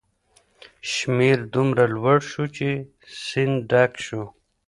شمیر دومره لوړ شو چې سیند ډک شو.